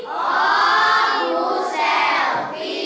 oh ibu selvi